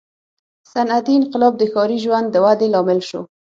• صنعتي انقلاب د ښاري ژوند د ودې لامل شو.